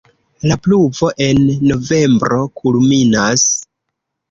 La pluvo en novembro kulminas.